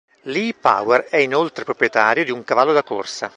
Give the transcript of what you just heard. Lee Power è inoltre proprietario di un cavallo da corsa.